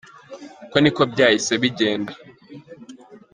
Uko ni ko byahise bigenda.